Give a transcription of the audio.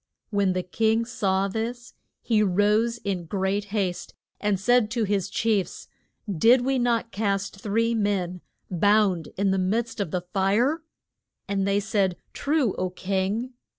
When the king saw this he rose in great haste and said to his chiefs, Did we not cast three men bound in the midst of the fire? And they said, True, O king.